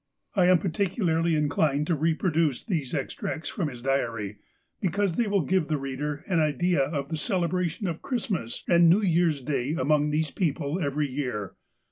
I am particularly inclined to reproduce these extracts from his diary, because they will give the reader an idea of the celebration of Christmas and New Year's Day among these people every year.